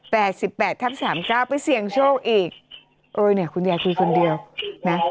แปดสิบแปดทับสามเก้าไปเสี่ยงโชคอีกโอ้ยเนี่ยคุณยายคุยคนเดียวนะ